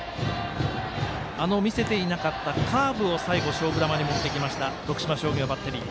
見せていなかったカーブを最後勝負球に持ってきました徳島商業バッテリー。